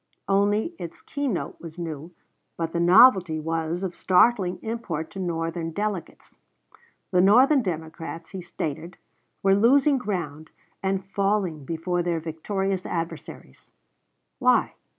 Only its key note was new, but the novelty was of startling import to Northern delegates. The Northern Democrats, he stated, were losing ground and falling before their victorious adversaries. Why?